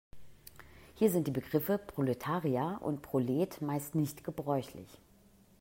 Hier sind die Begriffe Proletarier und Prolet meist nicht gebräuchlich.